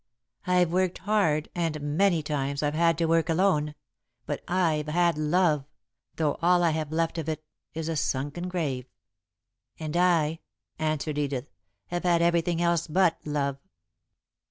I've worked hard and many times I've had to work alone, but I've had love, though all I have left of it is a sunken grave." "And I," answered Edith, "have had everything else but love.